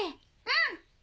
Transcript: うん。